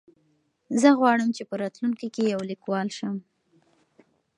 زه غواړم چې په راتلونکي کې یو لیکوال شم.